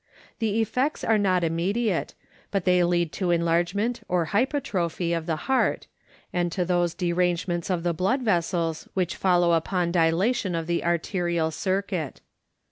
The effects are not imme diate, but they lead to enlargement or hypertrophy of the heart and to those derangements of the blood vessels which follow upon dilatation of the arterial circuit.